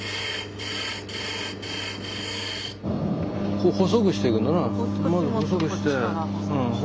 こう細くしてくんだな。